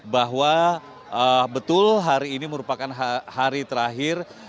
bahwa betul hari ini merupakan hari terakhir